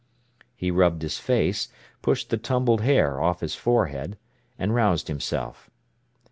He rubbed his face, pushed the tumbled hair off his forehead, and roused himself.